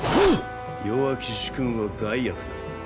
弱き主君は害悪なり。